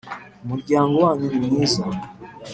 umuryango wanyu ni mwiza